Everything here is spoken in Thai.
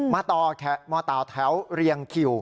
มาต่อมอเต่าแถวเรียงคิว